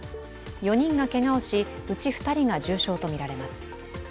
４人がけがをし、うち２人が重傷とみられます。